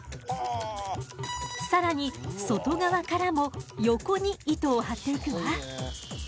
更に外側からも横に糸を張っていくわ。